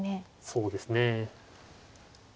そうですね。